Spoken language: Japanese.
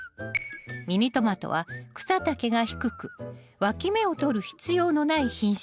ミニトマトは草丈が低くわき芽をとる必要のない品種を育てます。